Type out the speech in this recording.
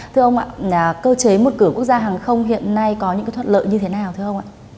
thưa ông ạ cơ chế một cửa quốc gia hàng không hiện nay có những thuật lợi như thế nào